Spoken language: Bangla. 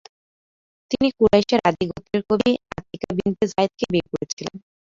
তিনি কুরাইশের আদি গোত্রের কবি আতিকা বিনতে জায়েদকে বিয়ে করেছিলেন।